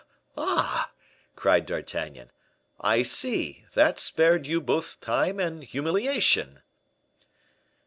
"Ah!" cried D'Artagnan. "I see that spared you both time and humiliation."